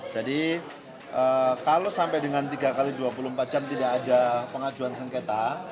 jadi kalau sampai dengan tiga x dua puluh empat jam tidak ada pengajuan sengketa